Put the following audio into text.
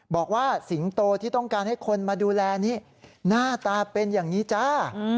บอกว่าสิงโตที่ต้องการให้คนมาดูแลนี้หน้าตาเป็นอย่างนี้จ้า